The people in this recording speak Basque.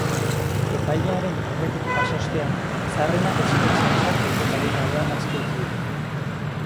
Epailearen aurretik pasa ostean, zaharrena espetxean sartu eta adingabea aske utzi dute.